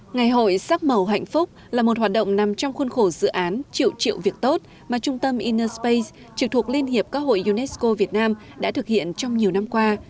ngày hội sắc màu hạnh phúc là một hoạt động nằm trong khuôn khổ dự án chịu chịu việc tốt mà trung tâm inner space trực thuộc liên hiệp các hội unesco việt nam đã thực hiện trong nhiều năm qua